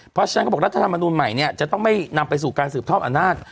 เพราะฉะนั้นเขาบอกรัฐธรรมนูลใหม่เนี่ยจะต้องไม่นำไปสู่การสืบทอดอำนาจ